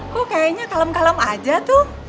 kok kayaknya kalem kalem aja tuh